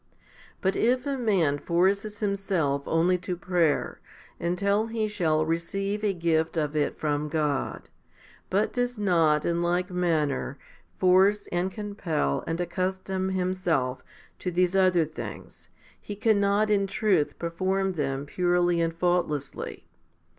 But if a man forces himself only to prayer, until he shall receive a gift of it from God, but does not in like manner force and compel and accustom himself to these other things, he cannot in truth perform them purely and faultlessly.